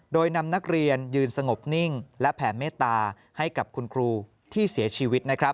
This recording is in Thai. โดยนำนักเรียนยืนสงบนิ่งและแผ่เมตตาให้กับคุณครูที่เสียชีวิต